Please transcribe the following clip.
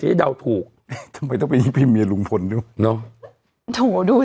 จะได้เดาถูกทำไมต้องไปพิมพ์เมียลุงพลดูเนอะโถดู